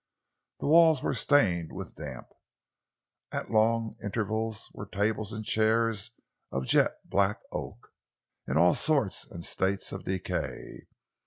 The walls were stained with damp. At long intervals were tables and chairs of jet black oak, in all sorts and states of decay.